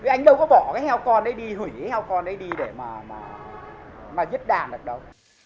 anh đâu có bỏ cái heo con đấy đi hủy với heo con đấy đi để mà viết đàn được đâu